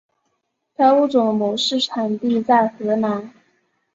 该物种的模式产地在荷兰。